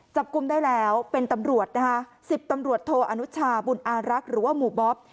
จับกลุ่มได้แล้วเป็นตำรวจนะคะสิบตำรวจโทอนุชาบุญอารักษ์หรือว่าหมู่บ๊อบ